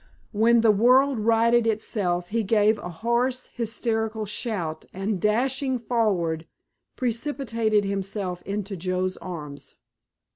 When the world righted itself he gave a hoarse, hysterical shout and dashing forward precipitated himself into Joe's arms.